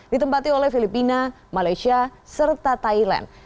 ditempati oleh filipina malaysia serta thailand